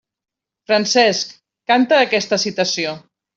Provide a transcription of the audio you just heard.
Francesc canta aquesta citació.